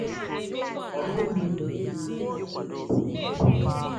ọ bụghị m dere